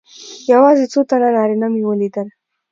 یوازې څو تنه نارینه مې ولیدل.